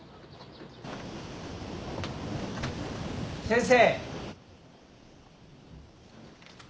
先生。